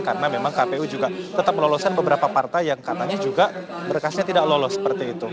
karena memang kpu juga tetap meloloskan beberapa partai yang katanya juga berkasnya tidak lolos seperti itu